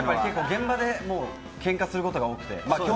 現場でケンカすることが多くて。